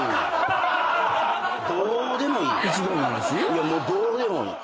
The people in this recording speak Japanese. いやもうどうでもいい。